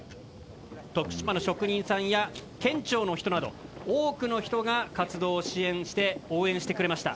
徳島の職人さんや県庁の人など多くの人が活動支援して応援してくれました。